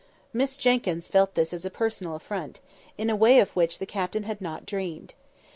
Miss Jenkyns felt this as a personal affront, in a way of which the Captain had not dreamed.